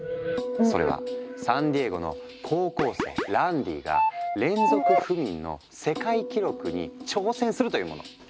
それはサンディエゴの高校生ランディが連続不眠の世界記録に挑戦するというもの。